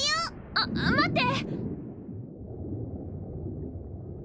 あっ待って！